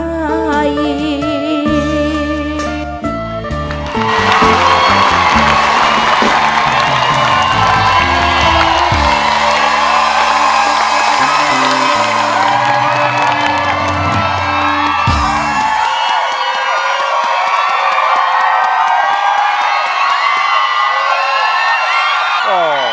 หลังกันไรพอ